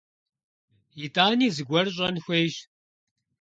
ИтӀани зыгуэр щӀэн хуейщ.